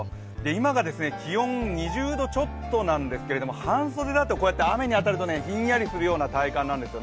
今が気温２０度ちょっとなんですけど半袖だとこうやって雨に当たると冷んやりするような体感なんです。